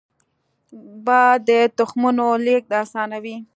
باد د تخمونو لیږد اسانوي